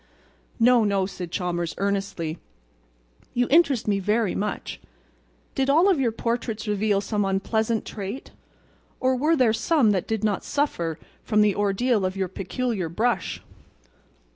"No, no," said Chalmers, earnestly, "you interest me very much. Did all of your portraits reveal some unpleasant trait, or were there some that did not suffer from the ordeal of your peculiar brush?"